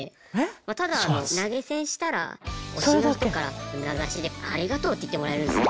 ただ投げ銭したら推しの人から名指しで「ありがとう」って言ってもらえるんですよ。